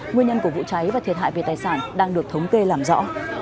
nguyên nhân của vụ cháy và thiệt hại về tài sản đang được thống kê làm rõ